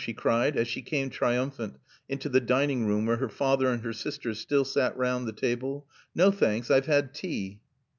she cried as she came, triumphant, into the dining room where her father and her sisters still sat round the table. "No, thanks. I've had tea."